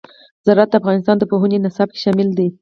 زراعت د افغانستان د پوهنې نصاب کې شامل دي.